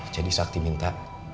jadi sakti minta